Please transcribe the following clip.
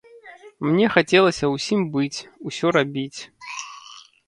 Мне хацелася ўсім быць, усё рабіць.